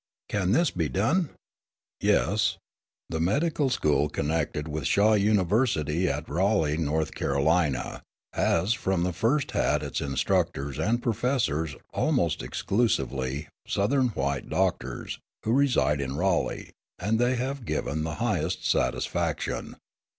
Can this be done? Yes. The medical school connected with Shaw University at Raleigh, North Carolina, has from the first had as instructors and professors, almost exclusively, Southern white doctors, who reside in Raleigh; and they have given the highest satisfaction.